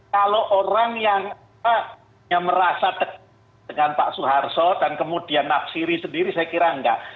kalau orang yang merasa dekat dengan pak soeharto dan kemudian nafsiri sendiri saya kira enggak